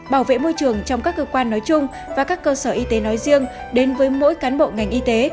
bảo vệ môi trường trong các cơ quan nói chung và các cơ sở y tế nói riêng đến với mỗi cán bộ ngành y tế